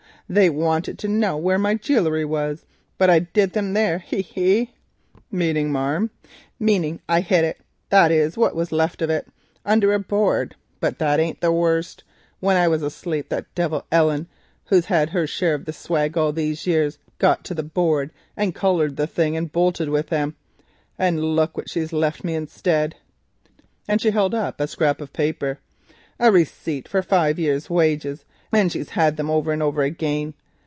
They wanted to know where my jewellery was, but I did them, hee, hee!" "Meaning, marm?" "Meaning that I hid it, that is, what was left of it, under a board. But that ain't the worst. When I was asleep that devil Ellen, who's had her share all these years, got to the board and collared the things and bolted with them, and look what she's left me instead," and she held up a scrap of paper, "a receipt for five years' wages, and she's had them over and over again.